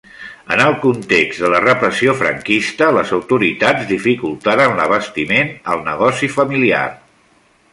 En el context de la repressió franquista, les autoritats dificultaren l'abastiment al negoci familiar.